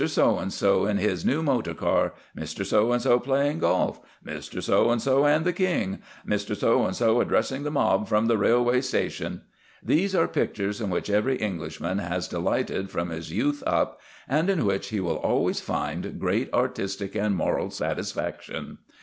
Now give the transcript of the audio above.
So and so in his new motorcar; Mr. So and so playing golf; Mr. So and so and the King; Mr. So and so addressing the mob from the railway train, these are pictures in which every Englishman has delighted from his youth up, and in which he will always find great artistic and moral satisfaction.